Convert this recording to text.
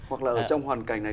hoặc là ở trong hoàn cảnh này